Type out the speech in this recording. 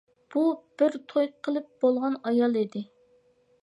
بۇ بىر توي قىلىپ بولغان ئايال ئىدى.